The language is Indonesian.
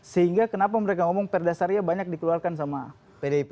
sehingga kenapa mereka ngomong perdasarnya banyak dikeluarkan sama pdip